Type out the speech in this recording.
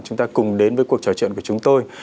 chúng ta cùng đến với cuộc trò chuyện của chúng tôi